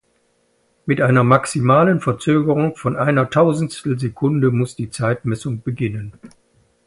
Mit einer maximalen Verzögerung von einer Tausendstel Sekunde muss die Zeitmessung beginnen.